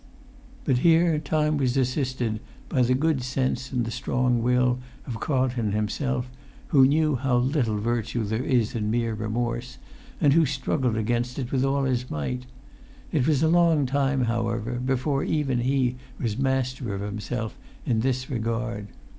But here time was assisted by the good sense and the strong will of Carlton himself, who knew how little virtue there is in mere remorse, and who struggled against it with[Pg 189] all his might. It was a long time, however, before even he was master of himself in this regard.